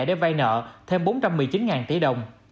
để vay nợ thêm bốn trăm một mươi chín tỷ đồng